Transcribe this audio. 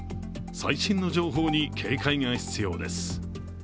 最新の情報に警戒が必要です。